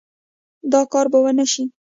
دا کار به ونشي